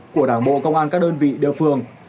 của đảng bộ công an các đơn vị địa phương